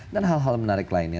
hal hal menarik lainnya